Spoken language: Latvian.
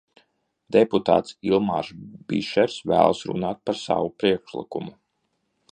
Deputāts Ilmārs Bišers vēlas runāt par savu priekšlikumu.